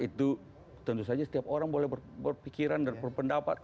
itu tentu saja setiap orang boleh berpikiran dan berpendapat